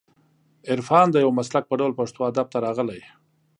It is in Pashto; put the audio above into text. عرفان د یو مسلک په ډول پښتو ادب ته راغلی